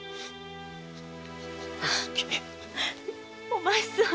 お前さん。